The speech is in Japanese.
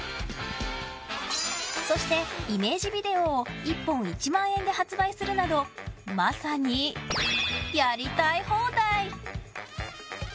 そしてイメージビデオを１本１万円で発売するなどまさにやりたい放題！